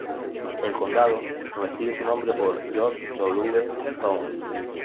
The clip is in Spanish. El condado recibe su nombre por George W. Towns.